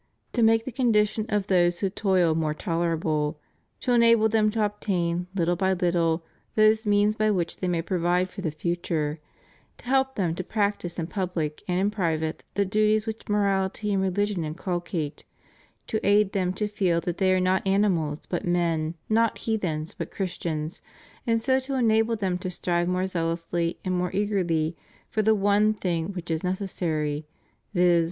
to make the condition of those who toil more tolerable; to enable Vhem to obtain, Uttle by little, those means by which they may provide for the future; to help them to practise in public and in private the duties which morality and religion inculcate; to aid them to feel that they are not animals but men, not heathens but Christians, and so to enable them to strive more zealously and more eagerly for the one thing which is necessary, viz.